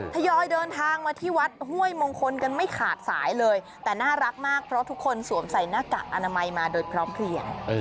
ทยอยเดินทางมาที่วัดห้วยมงคลกันไม่ขาดสายเลยแต่น่ารักมากเพราะทุกคนสวมใส่หน้ากากอนามัยมาโดยพร้อมเพลียง